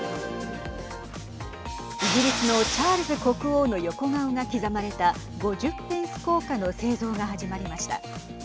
イギリスのチャールズ国王の横顔が刻まれた５０ペンス硬貨の製造が始まりました。